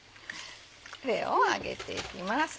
これを揚げていきます。